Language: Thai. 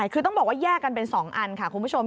คือต้องบอกว่าแยกกันเป็น๒อันค่ะคุณผู้ชม